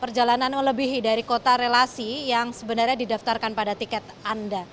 perjalanan melebihi dari kota relasi yang sebenarnya didaftarkan pada tiket anda